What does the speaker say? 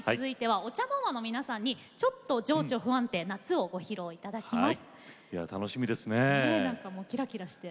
ＯＣＨＡＮＯＲＭＡの皆さんに「ちょっと情緒不安定？夏」を披露いただきます。